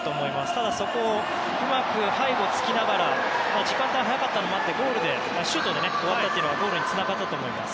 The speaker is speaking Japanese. ただ、そこをうまく背後を突きながら時間帯が早かったのもあってシュートで終わったというのがゴールにつながったと思います。